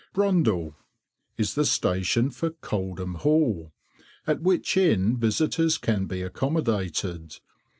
BRUNDALL Is the station for "Coldham Hall," at which inn visitors can be accommodated.